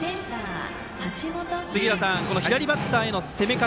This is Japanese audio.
杉浦さん、左バッターへの攻め方